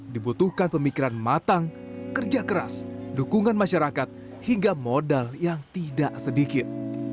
dibutuhkan pemikiran matang kerja keras dukungan masyarakat hingga modal yang tidak sedikit